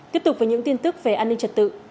tiếp tục với những tin tức về an ninh trật tự